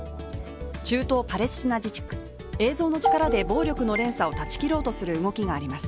中東・パレスチナ自治区、映像の力で暴力の連鎖を断ち切ろうとする動きがあります。